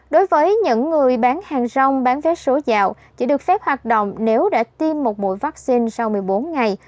đối với những người bán hàng rong bán vé số dạo chỉ được phép hoạt động nếu đã tiêm một mũi vaccine sau một mươi bốn ngày